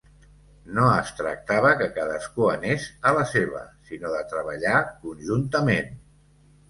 No es tractava que cadascú anés a la seva, sinó de treballar conjuntament.